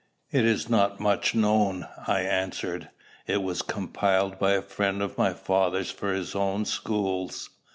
"It is not much known," I answered. "It was compiled by a friend of my father's for his own schools."